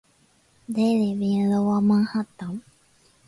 They live in lower Manhattan.